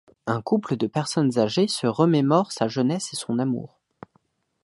Un couple de personnes âgées se remémore sa jeunesse et son amour.